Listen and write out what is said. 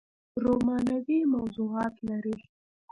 رومانوي موضوعات لري